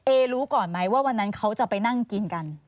รู้ก่อนไหมว่าวันนั้นเขาจะไปนั่งกินกัน